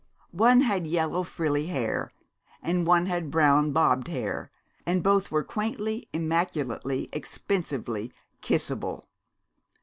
One had yellow frilly hair and one had brown bobbed hair, and both were quaintly, immaculately, expensively kissable.